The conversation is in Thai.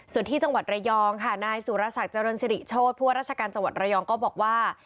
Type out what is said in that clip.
ส่วนที่จังหวัดระยองค่ะนายสุรสักเจริญสิริโชธผู้ว่าราชการจังหวัดระยองก็บอกว่า